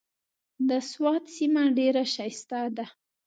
د سوات سيمه ډېره ښايسته ده۔